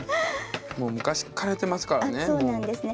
もう昔からやってますからね。